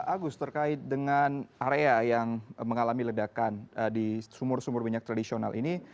agus terkait dengan area yang mengalami ledakan di sumur sumur minyak tradisional ini